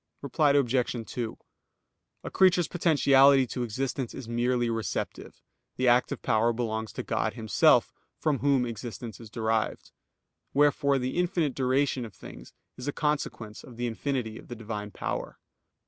Reply Obj. 2: A creature's potentiality to existence is merely receptive; the active power belongs to God Himself, from Whom existence is derived. Wherefore the infinite duration of things is a consequence of the infinity of the Divine power.